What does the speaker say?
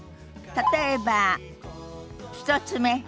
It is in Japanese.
例えば１つ目。